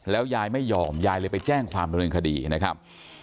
แล้วยายไม่ยอมยายเลยไปแจ้งความโดนคดีนะครับ